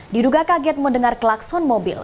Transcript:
diduga kaget mendengar klakson mobil